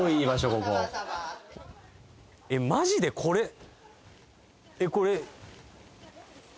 ここマジでこれえっこれ船？